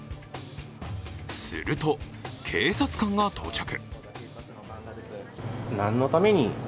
すると、警察官が到着。